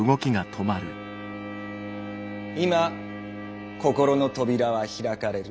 今心の扉は開かれる。